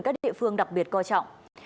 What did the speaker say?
các địa phương đặc biệt coi trọng